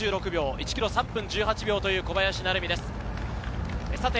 １ｋｍ、３分１８秒という小林成美です。